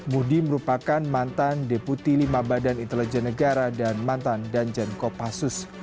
muhdi merupakan mantan deputi lima badan intelijen negara dan mantan danjen kopassus